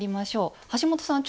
橋本さん